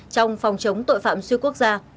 trong phòng chống tội phạm xuyên quốc gia